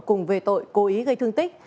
cùng về tội cố ý gây thương tích